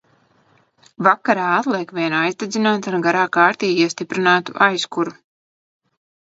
Vakarā atliek vien aizdedzināt ar garā kārtī iestiprinātu aizkuru.